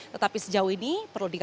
tetapi sejauh ini perlu diketahui